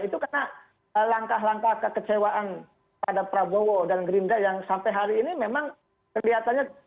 itu karena langkah langkah kekecewaan pada prabowo dan gerindra yang sampai hari ini memang kelihatannya